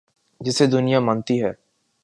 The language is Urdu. جسے دنیا مانتی ہے۔